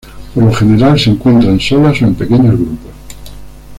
Por lo general, se encuentran solas o en pequeños grupos.